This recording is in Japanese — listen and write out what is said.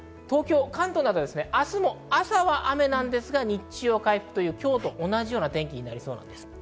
関東では明日も朝は雨なんですが日は回復、今日と同じような天気になりそうです。